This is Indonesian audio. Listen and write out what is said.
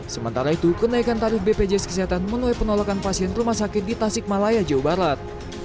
sementara itu kenaikan tarif bpjs kesehatan menuai penolakan pasien rumah sakit di tasik malaya jawa barat